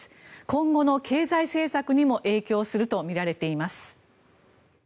今後の経済政策にも影響するとみられています。